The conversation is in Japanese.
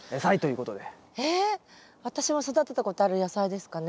私も育てたことある野菜ですかね？